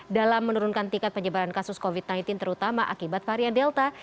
dalam menurunkan tingkat penyebaran kasus covid sembilan belas terutama akibat varian delta